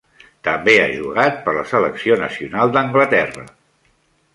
També ha jugat per la selecció nacional d'Anglaterra.